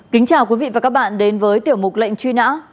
kính chào quý vị và các bạn đến với tiểu mục lệnh truy nã